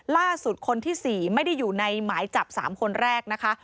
ล่าสุดคนที่๔ไม่ได้อยู่ในหมายจับ๓คนแรกนะคะ